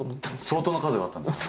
相当な数があったんですか？